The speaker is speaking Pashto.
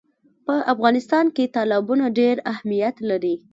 په افغانستان کې تالابونه ډېر اهمیت لري.